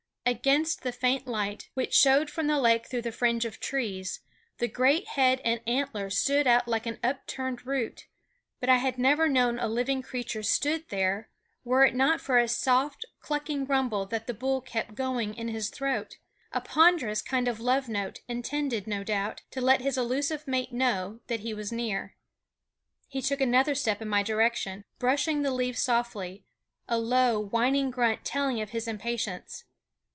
Against the faint light, which showed from the lake through the fringe of trees, the great head and antlers stood out like an upturned root; but I had never known that a living creature stood there were it not for a soft, clucking rumble that the bull kept going in his throat, a ponderous kind of love note, intended, no doubt, to let his elusive mate know that he was near. He took another step in my direction, brushing the leaves softly, a low, whining grunt telling of his impatience.